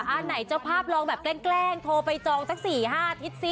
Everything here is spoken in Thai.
อ่าไหนเจ้าภาพลองแบบแกล้งโทรไปจองสัก๔๕นิดซิ